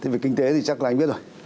về kinh tế thì chắc là anh biết rồi